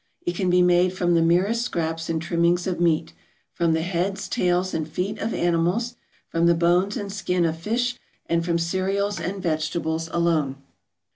It can be made from the merest scraps and trimmings of meat; from the heads, tails, and feet of animals; from the bones and skin of fish; and from cereals and vegetables alone.